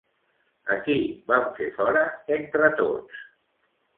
A qui van fer fora entre tots?